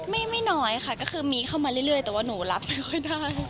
ไม่น้อยค่ะก็คือมีเข้ามาเรื่อยแต่ว่าหนูรับไม่ค่อยได้